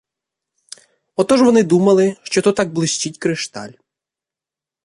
Отож вони думали, що то так блищить кришталь.